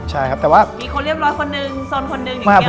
มีคนเรียบร้อยคนหนึ่งสนคนหนึ่งอย่างนี้หรอ